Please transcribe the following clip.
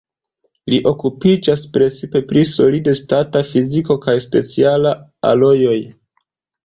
Li okupiĝas precipe pri solid-stata fiziko kaj specialaj alojoj.